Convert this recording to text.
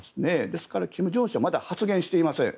ですから、金正恩氏はまだ発言していません。